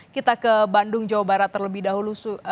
kita ke bandung jawa barat terlebih dahulu